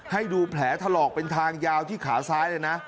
ให้ดูแผลถลอกเป็นทางยาวที่ขาซ้ายเลยนะ